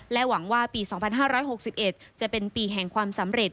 หวังว่าปี๒๕๖๑จะเป็นปีแห่งความสำเร็จ